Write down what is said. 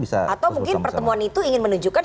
atau mungkin pertemuan itu ingin menunjukkan